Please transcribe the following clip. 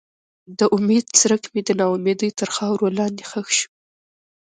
د امید څرک مې د ناامیدۍ تر خاورو لاندې ښخ شو.